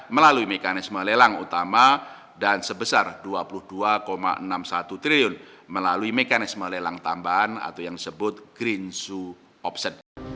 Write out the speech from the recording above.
bagaimana juga sudah dijelaskan oleh bumenteri keuangan dan gubernur bi